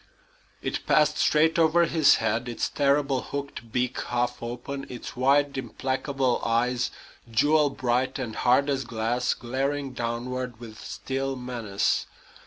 It passed straight over his head, its terrible hooked beak half open, its wide, implacable eyes, jewel bright and hard as glass, glaring downward with still menace.